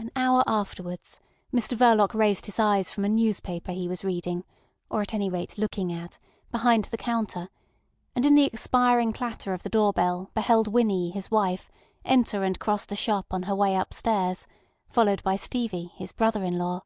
An hour afterwards Mr Verloc raised his eyes from a newspaper he was reading, or at any rate looking at, behind the counter, and in the expiring clatter of the door bell beheld Winnie, his wife, enter and cross the shop on her way upstairs, followed by Stevie, his brother in law.